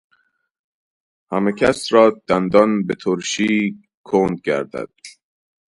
همه کس را دندان بترشی کند گردد